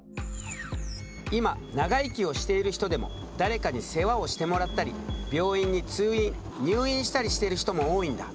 今長生きをしている人でも誰かに世話をしてもらったり病院に通院入院したりしている人も多いんだ。